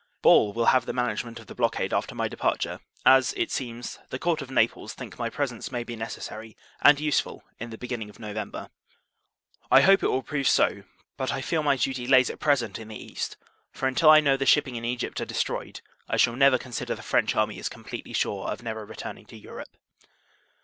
Ball will have the management of the blockade after my departure; as, it seems, the Court of Naples think my presence may be necessary, and useful, in the beginning of November. I hope it will prove so; but, I feel, my duty lays at present in the East; for, until I know the shipping in Egypt are destroyed, I shall never consider the French army as completely sure of never returning to Europe.